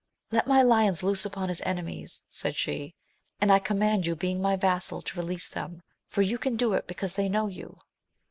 Let my lions loose upon his enemies, said she, and I command you being my vassal to release them, for you can do it because they know you.